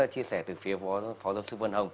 chia sẻ từ phía phó giáo sư vân hồng